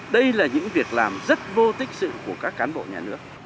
đây là những việc làm rất vô tích sự của các cán bộ nhà nước